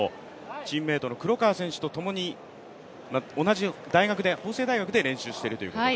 チームメートの黒川選手とともに同じ法政大学で練習をしているということで。